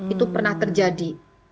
itu pernah terjadi